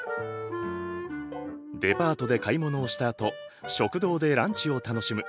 デパートで買い物をしたあと食堂でランチを楽しむ。